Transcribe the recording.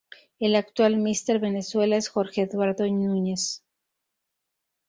El actual Míster Venezuela es Jorge Eduardo Núñez.